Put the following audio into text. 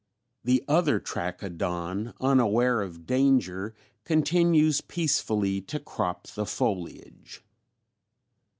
The other Trachodon, unaware of danger, continues peacefully to crop the foliage.